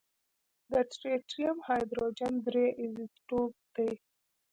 د ټریټیم هایدروجن درې ایزوټوپ دی.